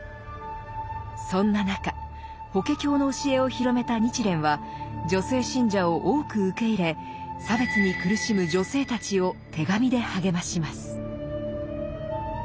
そんな中「法華経」の教えを広めた日蓮は女性信者を多く受け入れ差別に苦しむ女性たちを手紙で励まします。